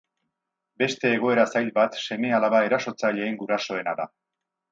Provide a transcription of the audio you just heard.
Beste egoera zail bat seme alaba erasotzaileen gurasoena da.